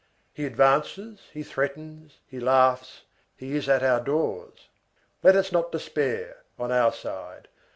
He advances, he threatens, he laughs, he is at our doors. Let us not despair, on our side.